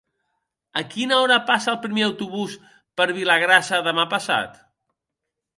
A quina hora passa el primer autobús per Vilagrassa demà passat?